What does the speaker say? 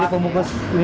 jadi pemungkus kuat